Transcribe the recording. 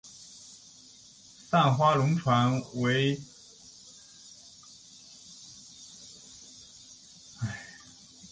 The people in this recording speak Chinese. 散花龙船花为茜草科龙船花属下的一个种。